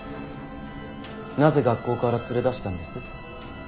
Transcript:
なぜ学校から連れ出したんです？